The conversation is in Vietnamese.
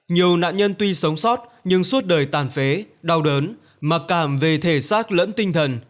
nhiều nạn nhân tuy sống sót nhưng suốt đời tàn phế đau đớn mặc cảm về thể xác lẫn tinh thần